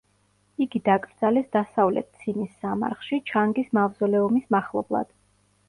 იგი დაკრძალეს დასავლეთ ცინის სამარხში, ჩანგის მავზოლეუმის მახლობლად.